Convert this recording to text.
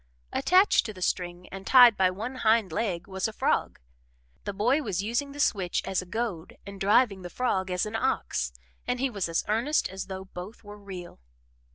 Attached to the string and tied by one hind leg was a frog. The boy was using the switch as a goad and driving the frog as an ox, and he was as earnest as though both were real.